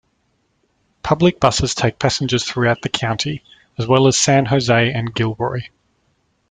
Public buses take passengers throughout the county, as well as San Jose and Gilroy.